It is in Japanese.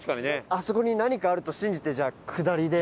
あそこに何かあると信じてじゃあ下りで。